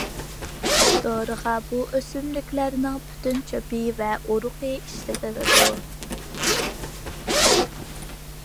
دورىغا بۇ ئۆسۈملۈكنىڭ پۈتۈن چۆپى ۋە ئۇرۇقى ئىشلىتىلىدۇ.